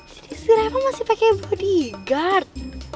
jadi serema masih pakai bodyguard